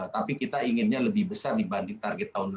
tapi kita inginnya lebih besar dibanding target tahun lalu